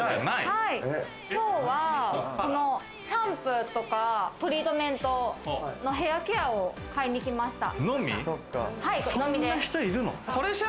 今日はこのシャンプーとかトリートメントのヘアケアを買いに来ました。